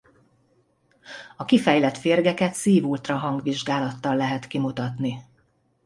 A kifejlett férgeket szív ultrahang vizsgálattal lehet kimutatni.